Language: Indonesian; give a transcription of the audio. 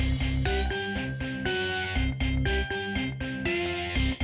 ini aku udah di makam mami aku